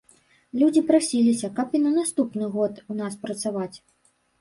Людзі прасіліся, каб і на наступны год у нас працаваць.